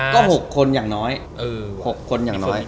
ก็๖คนอย่างน้อย